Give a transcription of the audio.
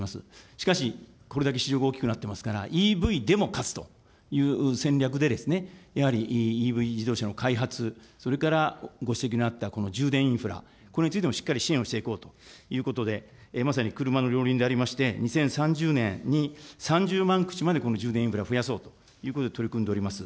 しかし、これだけ市場が大きくなっていますから、ＥＶでも勝つという戦略で、やはりＥＶ自動車の開発、それからご指摘のあったこの充電インフラ、これについてもしっかり支援をしていこうということで、まさに車の両輪でありまして、２０３０年に３０万口までこの充電インフラを増やそうということで、取り組んでおります。